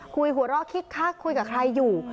คุยหัวเราะคิกคักคุยกับใครอยู่